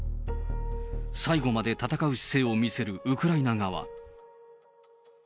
最後まで戦う姿勢を見せるウクライナ側。